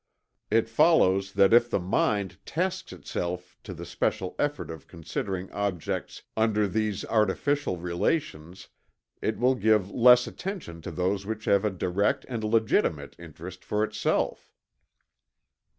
It follows that if the mind tasks itself to the special effort of considering objects under these artificial relations, it will give less attention to those which have a direct and legitimate interest for itself."